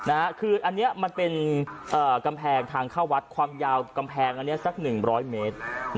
อันนี้มันเป็นกำแพงทางเข้าวัดความยาวกำแพงสัก๑๐๐เมตร